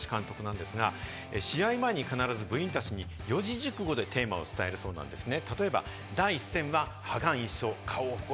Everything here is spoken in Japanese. また慶應高校の森林監督ですが、試合前に必ず部員たちに四字熟語でテーマを伝えるそうなんですね。